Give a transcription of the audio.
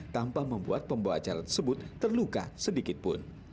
tanpa membuat pembawa acara tersebut terluka sedikit pun